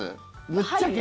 ぶっちゃけ。